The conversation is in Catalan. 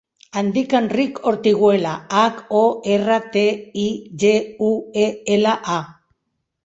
Em dic Enrique Hortiguela: hac, o, erra, te, i, ge, u, e, ela, a.